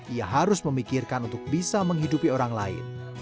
ia harus memikirkan untuk bisa menghidupi orang lain